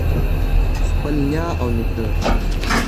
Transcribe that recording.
خپل نیا او نیکه